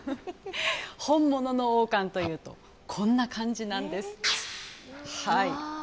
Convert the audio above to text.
本物の王冠というとこんな感じなんです。